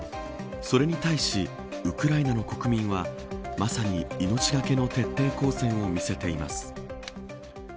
それに対し、ウクライナの国民はまさに命懸けの徹底抗戦を見せています。